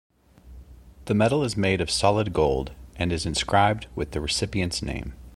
The medal is made of solid gold and is inscribed with the recipient's name.